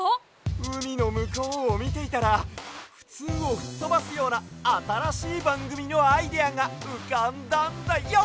うみのむこうをみていたらふつうをふっとばすようなあたらしいばんぐみのアイデアがうかんだんだＹＯ！